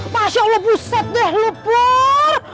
masya allah buset deh lu pur